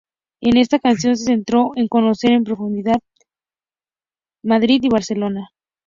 En esta ocasión, se centró en conocer en profundidad Madrid y Barcelona.